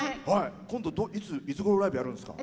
今度、いつごろライブやるんですか？